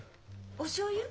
おしょうゆ？